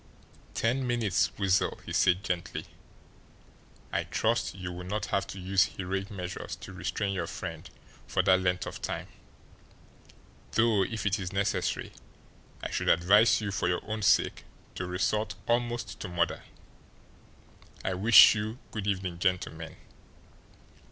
"Ten minutes, Weasel," he said gently. "I trust you will not have to use heroic measures to restrain your friend for that length of time, though if it is necessary I should advise you for your own sake to resort almost to murder. I wish you good evening, gentlemen."